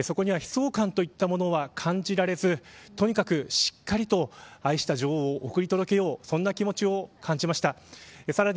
そこには、悲壮感といったものは感じられずとにかくしっかりと愛した女王を送り届けようそんな気持ちを感じました。